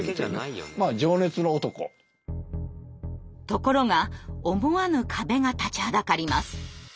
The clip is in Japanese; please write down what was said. ところが思わぬ壁が立ちはだかります。